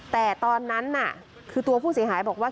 แต่ตอนนั้นน่ะคือตัวผู้เสียหายบอกว่า